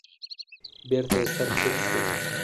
بېرته يې سر تيټ شو.